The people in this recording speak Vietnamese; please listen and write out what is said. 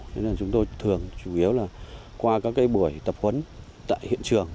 nên là chúng tôi thường chủ yếu là qua các cái buổi tập huấn tại hiện trường